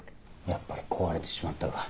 やっぱり壊れてしまったか。